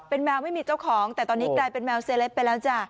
แมวไม่มีเจ้าของแต่ตอนนี้กลายเป็นแมวเซเลปไปแล้วจ้ะ